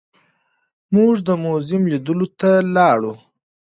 موږ د موزیم لیدلو ته لاړو.